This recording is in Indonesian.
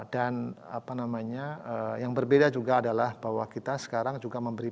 dan apa namanya yang berbeda juga adalah bahwa kita sekarang juga memberi benefit